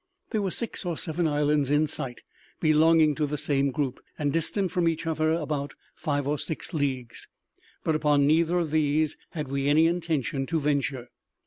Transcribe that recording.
There were six or seven islands in sight belonging to the same group, and distant from each other about five or six leagues; but upon neither of these had we any intention to venture.